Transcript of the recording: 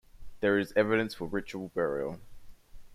There is evidence for ritual burial.